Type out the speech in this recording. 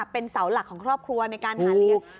เป็นเสาหลักของครอบครัวในการหาเลี้ยง